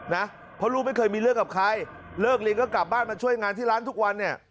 นะเพราะลูกไม่เคยมีเรื่องกับใครเลิกเรียนก็กลับบ้านมาช่วยงานที่ร้านทุกวันเนี่ย